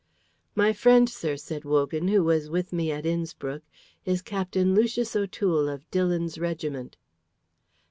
"My friend, sir," said Wogan, "who was with me at Innspruck, is Captain Lucius O'Toole of Dillon's regiment."